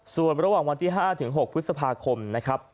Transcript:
ส่วนระหว่างวันที่๕๖พฤษภาคมนะครับ